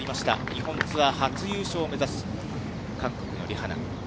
日本ツアー初優勝を目指す、韓国のリ・ハナ。